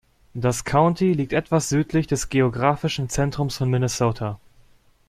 Das County liegt etwas südlich des geografischen Zentrums von Minnesota.